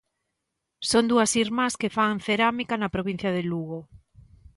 Son dúas irmás que fan cerámica na provincia de Lugo.